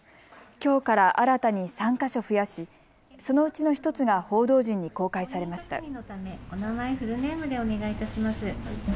きょうから新たに３か所増やしそのうちの１つが報道陣に公開されました。